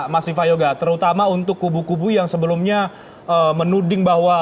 mas viva yoga terutama untuk kubu kubu yang sebelumnya menuding bahwa